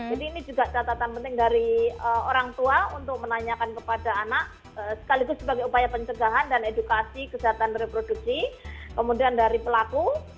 jadi ini juga catatan penting dari orang tua untuk menanyakan kepada anak sekaligus sebagai upaya pencegahan dan edukasi kesehatan dari pelaku